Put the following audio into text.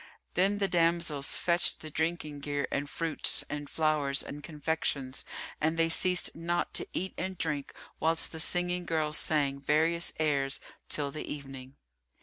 Then the damsels fetched the drinking gear and fruits and flowers and confections, and they ceased not to eat and drink,[FN#341] whilst the singing girls sang various airs till the evening.